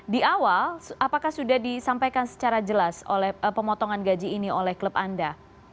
di awal apakah sudah disampaikan secara jelas oleh pemotongan gaji ini oleh klub anda